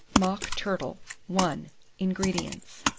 MOCK TURTLE. I. 172. INGREDIENTS.